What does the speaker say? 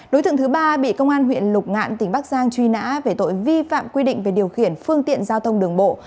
đối tượng thứ ba bị công an huyện lục ngạn tỉnh bắc giang truy nã về tội vi phạm quy định về điều khiển phương tiện giao thông đường bộ